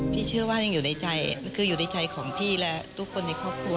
เชื่อว่ายังอยู่ในใจคืออยู่ในใจของพี่และทุกคนในครอบครัว